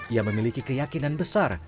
ia memiliki keyakinan besar